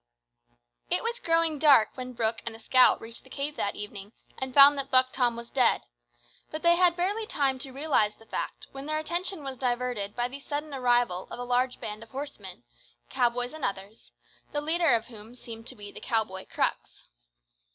It was growing dark when Brooke and the scout reached the cave that evening and found that Buck Tom was dead; but they had barely time to realise the fact when their attention was diverted by the sudden arrival of a large band of horsemen cowboys and others the leader of whom seemed to be the cow boy Crux.